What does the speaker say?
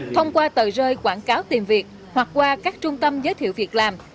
thông qua tờ rơi quảng cáo tìm việc hoặc qua các trung tâm giới thiệu việc làm